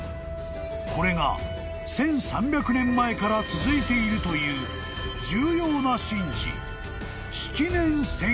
［これが１，３００年前から続いているという重要な神事］